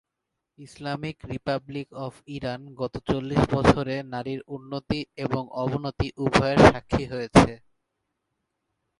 Islamic Republic of Iran গত চল্লিশ বছরে নারীর উন্নতি এবং অবনতি উভয়েরই স্বাক্ষী হয়েছে।